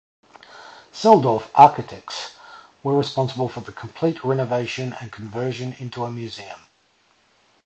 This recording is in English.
Selldorf Architects was responsible for the complete renovation and conversion into a museum.